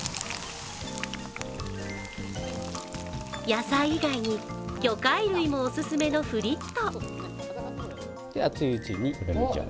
野菜以外に魚介類もお勧めのフリット。